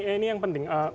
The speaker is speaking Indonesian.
ini yang penting